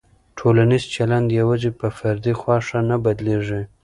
ټولنیز چلند یوازې په فردي خوښه نه بدلېږي.